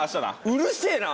うるせえな！